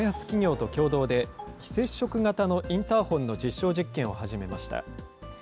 企業と共同で非接触型のインターホンの実証実験を始めました。